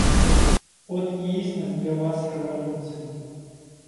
От і існасць для вас рэвалюцыі.